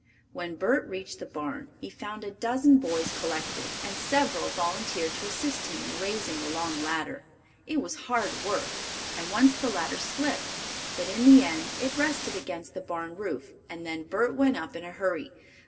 When Bert reached the barn he found a dozen boys collected, and several volunteered to assist him in raising the long ladder. It was hard work, and once the ladder slipped, but in the end it rested against the barn roof and then Bert went up in a hurry.